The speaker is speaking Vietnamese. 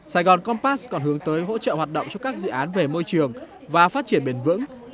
sài gòn compass còn hướng tới hỗ trợ hoạt động cho các dự án về môi trường và phát triển bền vững